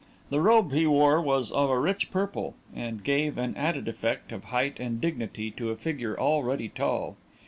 The robe he wore was of a rich purple, and gave an added effect of height and dignity to a figure already tall.